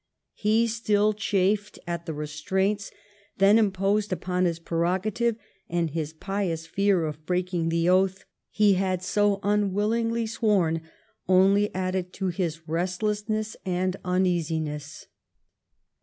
He still chafed at the restraints then imposed upon his prerogative, and his pious fear of breaking the oath he had so unwillingly sworn only added to his restlessness and uneasiness.